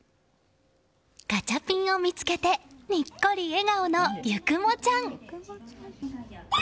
ガチャピンを見つけてニッコリ笑顔の結雲ちゃん。